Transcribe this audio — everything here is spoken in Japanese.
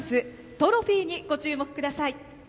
トロフィーにご注目ください。